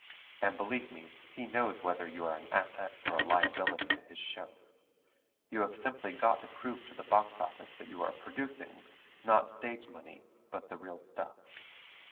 And believe me, he knows whether you are an asset or a liability to his show. You have simply got to prove to the box office that you are producing not stage money but the real stuff.